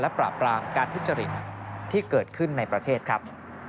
ปราบปรามการทุจริตที่เกิดขึ้นในประเทศครับ